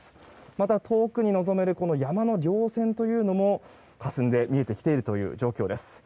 また、遠くに望める山の稜線というのもかすんで見えている状況です。